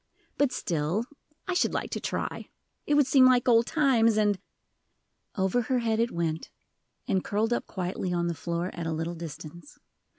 "But still, I should like to try; it would seem like old times, and " Over her head it went, and curled up quietly on the floor at a little distance.